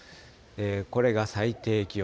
これが最低気温。